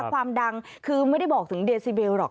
ความดังคือไม่ได้บอกถึงเดซิเบลหรอก